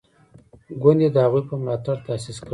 ګوند یې د هغوی په ملاتړ تاسیس کړی.